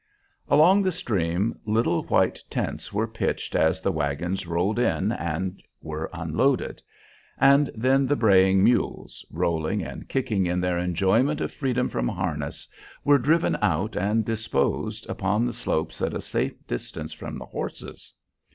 Along the stream little white tents were pitched as the wagons rolled in and were unloaded; and then the braying mules, rolling and kicking in their enjoyment of freedom from harness, were driven out and disposed upon the slopes at a safe distance from the horses.